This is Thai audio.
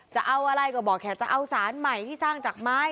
จะเอาอะไรก็บอกแค่จะเอาสารใหม่ที่สร้างจากไม้